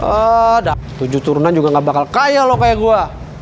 ada tujuh turunan juga nggak bakal kaya lo kayak gue